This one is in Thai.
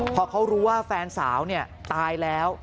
พอเขารู้ว่าแฟนสาวตายแล้ว